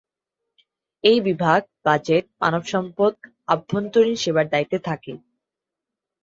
এই বিভাগ বাজেট, মানবসম্পদ, আভ্যন্তরীণ সেবার দায়িত্বে থাকে।